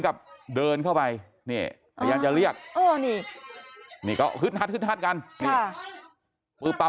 กับเดินเข้าไปนี่พยายามจะเรียกเออนี่นี่ก็ฮึดฮัดฮึดฮัดกันนี่ปุ๊บปั๊บ